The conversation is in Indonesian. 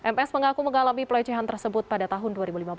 ms mengaku mengalami pelecehan tersebut pada tahun dua ribu lima belas